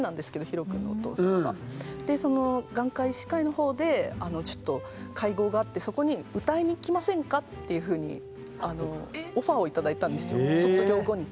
その眼科医師会のほうで会合があってそこに「歌いに来ませんか？」っていうふうにオファーを頂いたんですよ卒業後に。